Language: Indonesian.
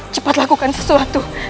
cepat lakukan sesuatu